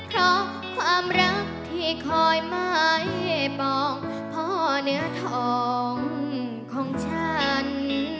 เพราะความรักที่คอยไม่ปองพ่อเนื้อทองของฉัน